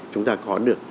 chúng ta có được